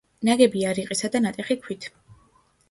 ნაგებია რიყისა და ნატეხი ქვით.